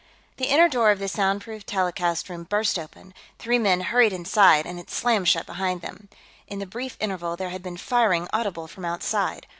The inner door of the soundproofed telecast room burst open, three men hurried inside, and it slammed shut behind them. In the brief interval, there had been firing audible from outside.